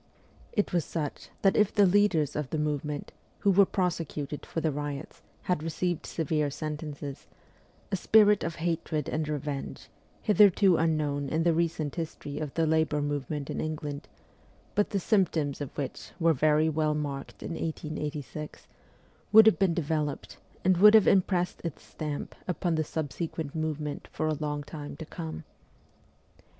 It was such that if the leaders of the movement, who were prosecuted for the riots, had received severe sentences, a spirit of hatred and revenge, hitherto unknown in the recent history of the labour movement in England, but the symptoms of which were very well marked in 1886, would have been developed, and would have impressed its stamp upon the subsequent movement for a long time to come.